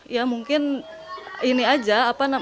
ya mungkin ini aja